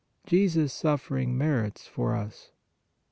JESUS SUFFERING MERITS FOR us.